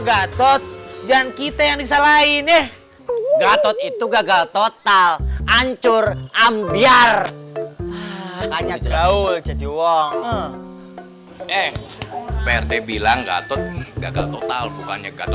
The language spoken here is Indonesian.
gatot dan kita yang disalahin nih gatot itu gagal total hancur ambiar hanya draw jadi wong eh perteh